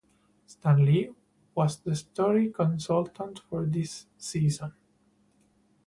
Stan Lee was the story consultant for this season.